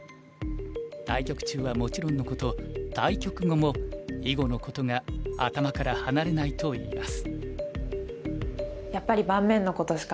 対局中はもちろんのこと対局後も囲碁のことが頭から離れないといいます。